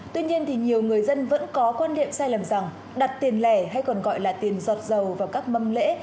tuy nhiên thì nhiều người dân vẫn có quan niệm sai lầm rằng đặt tiền lẻ hay còn gọi là tiền giọt dầu vào các mâm lễ